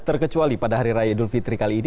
terkecuali pada hari raya idul fitri kali ini